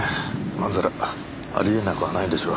まんざらあり得なくはないでしょう。